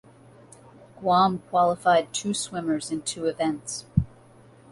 Guam qualified two swimmers in two events.